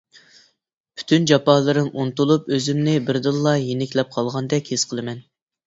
پۈتۈن جاپالىرىم ئۇنتۇلۇپ ئۆزۈمنى بىردىنلا يېنىكلەپ قالغاندەك ھېس قىلىمەن.